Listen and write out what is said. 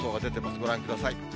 ご覧ください。